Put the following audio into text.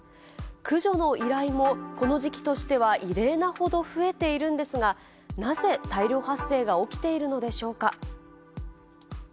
駆除の依頼もこの時期としては異例なほど増えているんですが、なぜ大量発生が起きているのでしょうか。